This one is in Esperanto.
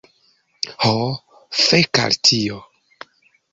Ho, fek' al tio!